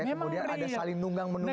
kemudian ada saling nunggang menunggang